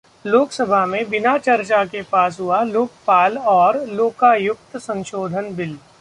लोकसभा में बिना चर्चा के पास हुआ लोकपाल और लोकायुक्त संशोधन बिल